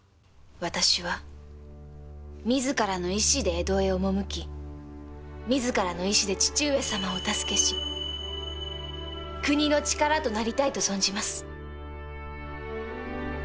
私は自らの意思で江戸へ赴き自らの意思で父上様をお助けし国の力となりたいと存じます。